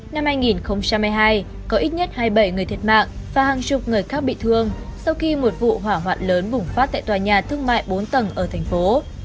năm hai nghìn hai mươi hai có ít nhất hai mươi bảy người thiệt mạng và hàng chục người khác bị thương sau khi một vụ hỏa hoạn lớn bùng phát tại tòa nhà thương mại bốn tầng ở thành phố